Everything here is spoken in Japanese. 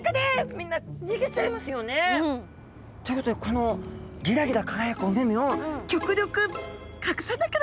みんな逃げちゃいますよね。ということでこのギラギラ輝くお目目を極力隠さなければ！